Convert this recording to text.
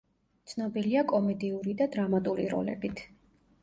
ცნობილია კომედიური და დრამატული როლებით.